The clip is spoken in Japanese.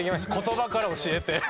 言葉から教えて。